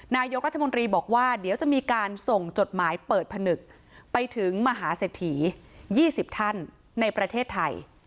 นายกรัฐมนตรีบอกว่าเดี๋ยวจะมีการส่งจดหมายเปิดผนึกไปถึงมหาเศรษฐี๒๐ท่านในประเทศไทย